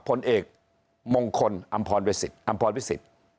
พลเอกมงคลอัมพรวิสิต